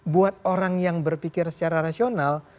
buat orang yang berpikir secara rasional